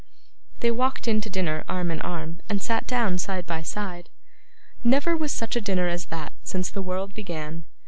They walked in to dinner arm in arm, and sat down side by side. Never was such a dinner as that, since the world began.